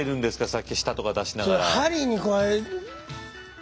さっき舌とか出しながら。